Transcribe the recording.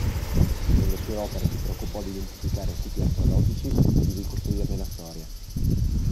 Nelle sue opere si preoccupò di identificare siti archeologici e di ricostruirne la storia.